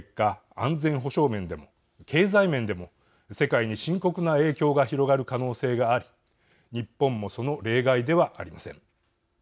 安全保障面でも経済面でも世界に深刻な影響が広がる可能性があり日本も、その例外ではありません。